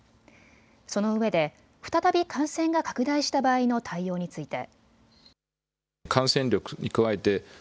そのうえで再び感染が拡大した場合の対応について。